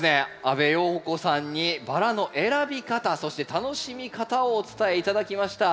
阿部容子さんにバラの選び方そして楽しみ方をお伝え頂きました。